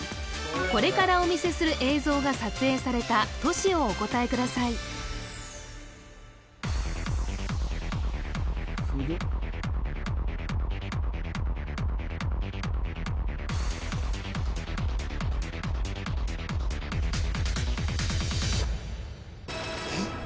これからお見せする映像が撮影された都市をお答えくださいえっ？